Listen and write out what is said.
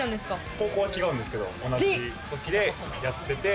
ここは違うんですけど、同じ時でやってて。